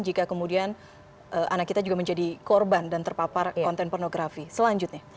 jika kemudian anak kita juga menjadi korban dan terpapar konten pornografi selanjutnya